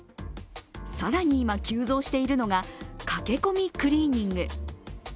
更に、今急増しているのが駆け込みクリーニング。